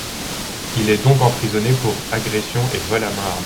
Il est donc emprisonné pour agression et vol à main armée.